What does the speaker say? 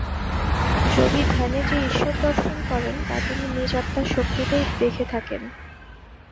যোগী ধ্যানে যে ঈশ্বর দর্শন করেন, তা তিনি নিজ আত্মার শক্তিতেই দেখে থাকেন।